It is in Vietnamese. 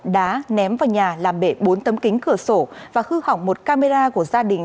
đá ném vào nhà làm bể bốn tấm kính cửa sổ và hư hỏng một camera của gia đình